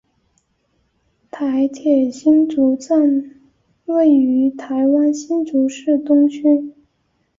台铁新竹站位于台湾新竹市东区。